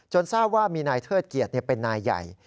ทราบว่ามีนายเทิดเกียรติเป็นนายใหญ่